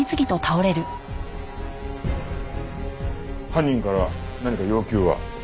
犯人から何か要求は？